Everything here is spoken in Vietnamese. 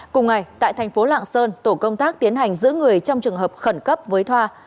cùng ngày tại thành phố lạng sơn tổ công tác tiến hành giữ người trong trường hợp khẩn cấp với thoa